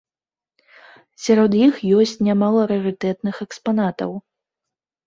Сярод іх ёсць нямала рарытэтных экспанатаў.